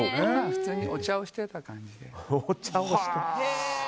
普通にお茶をしてた感じです。